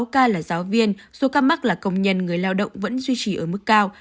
sáu ca là giáo viên số ca mắc là công nhân người lao động vẫn duy trì ở mức cao